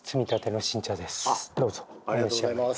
どうぞお召し上がり下さい。